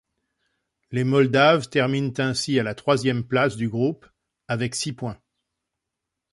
Les Moldaves terminent ainsi à la troisième place du groupe avec six points.